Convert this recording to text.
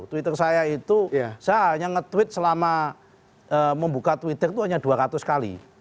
twitter saya itu saya hanya nge tweet selama membuka twitter itu hanya dua ratus kali